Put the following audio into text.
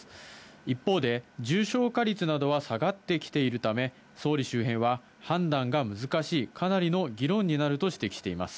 一方で、重症化率などは下がってきているため、総理周辺は、判断が難しい、かなりの議論になると指摘しています。